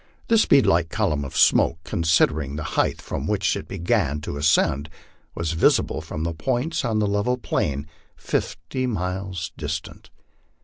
This beadlike column of smoke, considering the height from which it began to ascend, was visible from points on the level plain fifty miles dis tant 218 MY LIFE ON THE PLAINS.